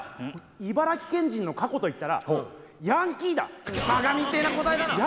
茨城県人の過去といったらバカみてえな答えだな！